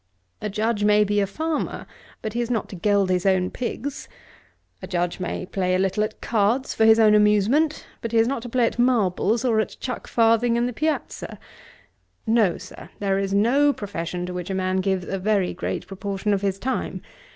A Judge may be a farmer; but he is not to geld his own pigs. A Judge may play a little at cards for his amusement; but he is not to play at marbles, or at chuck farthing in the Piazza. No, Sir; there is no profession to which a man gives a very great proportion of his time.